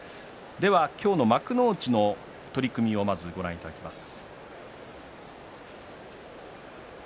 今日の幕内の取組をご覧いただきます。